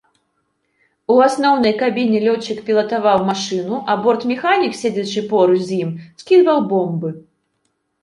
У асноўнай кабіне лётчык пілатаваў машыну, а бортмеханік, седзячы поруч з ім, скідваў бомбы.